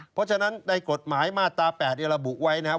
เพราะฉะนั้นได้กฎหมายมาตรา๘เนี่ยละบุกไว้นะครับ